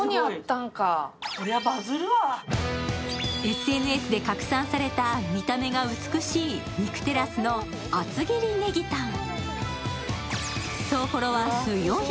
ＳＮＳで拡散された見た目が美しい２９テラスの厚切りネギタン。